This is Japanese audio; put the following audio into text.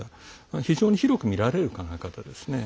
非常に広くみられる考え方ですね。